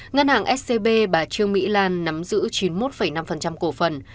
ngân hàng scb bà trương mỹ lan nắm giữ chín mươi một năm cổ phần